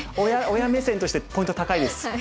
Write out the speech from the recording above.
親目線としてポイント高いです。